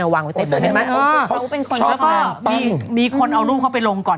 วางไว้เต็มเหมือนกันเออแล้วก็มีคนเอารูปเขาไปลงก่อน